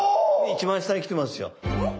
一番下に来てますよ。